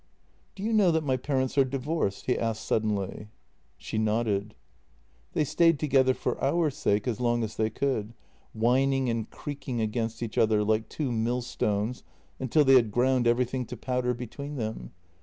" Do you know that my parents are divorced? " he asked suddenly. She nodded. JENNY 287 " They stayed together for our sake as long as they could, whining and creaking against each other like two millstones until they had ground everything to powder between them.